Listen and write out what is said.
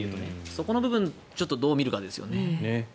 そこをどう見るかですよね。